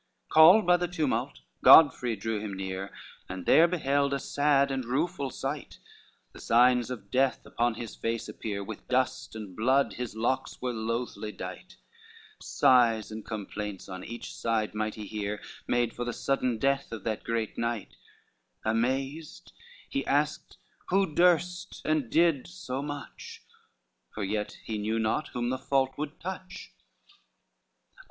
XXXII Called by the tumult, Godfrey drew him near, And there beheld a sad and rueful sight, The signs of death upon his face appear, With dust and blood his locks were loathly dight, Sighs and complaints on each side might he hear, Made for the sudden death of that great knight: Amazed, he asked who durst and did so much; For yet he knew not whom the fault would touch.